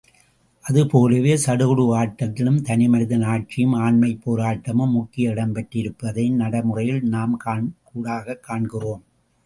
அதுபோலவே, சடுகுடு ஆட்டத்திலும் தனிமனிதன் ஆட்சியும், ஆண்மைப் போராட்டமும் முக்கிய இடம் பெற்றிருப்பதையும் நடைமுறையில் நாம் கண்கூடாகக் காண்கிறோம்.